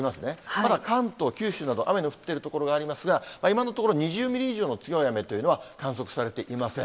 ただ、関東、九州など雨の降っている所がありますが、今のところ、２０ミリ以上の強い雨というのは観測されていません。